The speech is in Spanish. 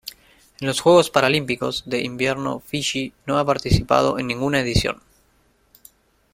En los Juegos Paralímpicos de Invierno Fiyi no ha participado en ninguna edición.